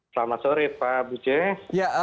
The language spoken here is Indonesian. selamat sore pak buce